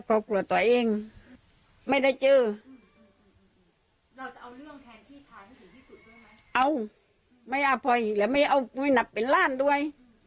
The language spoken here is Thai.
เอาไม่เอาไปไม่นับเป็นล่านด้วย